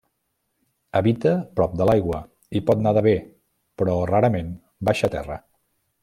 Habita prop de l'aigua i pot nedar bé, però rarament baixa terra.